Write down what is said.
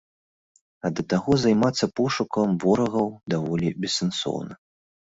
А да таго займацца пошукам ворагаў даволі бессэнсоўна.